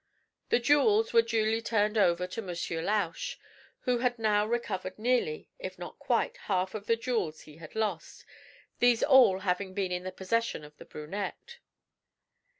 The jewels were duly turned over to Monsieur Lausch, who had now recovered nearly, if not quite, half of the jewels he had lost, these all having been in the possession of the brunette.